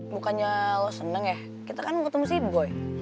bukannya lo seneng ya kita kan mau ketemu si boy